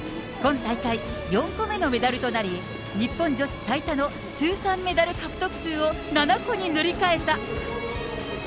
今大会、４個目のメダルとなり、日本女子最多の通算メダル獲得数を７個に塗り替えた。